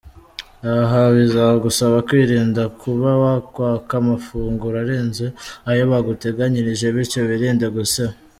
Aha bizagusaba kwirinda kuba wakwaka amafunguro arenze ayo baguteganyirije bityo wirinde guseba.